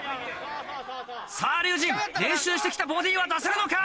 さぁ龍心練習して来たボディは出せるのか？